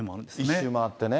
１周回ってね。